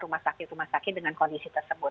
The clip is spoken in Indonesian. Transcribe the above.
rumah sakit rumah sakit dengan kondisi tersebut